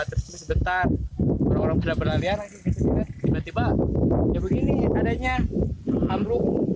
tapi sebentar orang orang sudah berlarian tiba tiba adanya ambruk